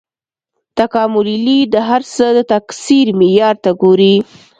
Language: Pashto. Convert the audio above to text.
تکاملي لید د هر څه د تکثیر معیار ته ګوري.